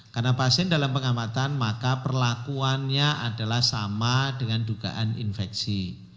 karena pasien dalam pengamatan maka perlakuannya adalah sama dengan dugaan infeksi